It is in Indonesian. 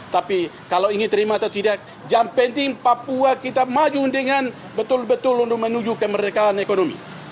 tapi kalau ini terima atau tidak jangan penting papua kita maju dengan betul betul untuk menuju kemerdekaan ekonomi